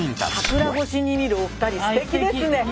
桜越しに見るお二人すてきですね。